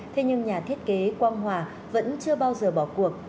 thế nhưng nhà thiết kế quang hòa vẫn chưa bao giờ bỏ cuộc